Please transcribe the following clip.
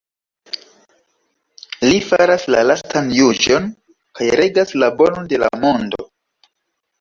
Li faras la lastan juĝon kaj regas la Bonon de la Mondo.